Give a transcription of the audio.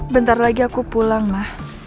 bentar lagi aku pulang mah